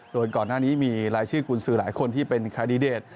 โดยก่อนหน้านี้มีรายชื่อกุญสือหลายคนที่เป็นคาดิเดต